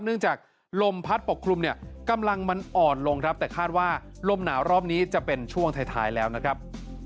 เนื่องจากลมพัดปกคลุมเนี่ยกำลังมันอ่อนลงครับแต่คาดว่าลมหนาวรอบนี้จะเป็นช่วงท้ายแล้วนะครับ